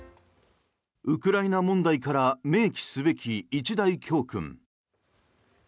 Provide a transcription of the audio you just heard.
ウクライナ問題から銘記すべき一大教訓。